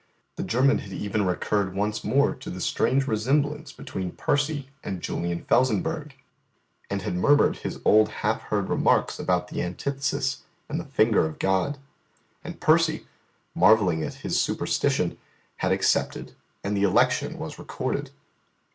The German had even recurred once more to the strange resemblance between Percy and Julian Felsenburgh, and had murmured his old half heard remarks about the antithesis, and the Finger of God; and Percy, marvelling at his superstition, had accepted, and the election was recorded.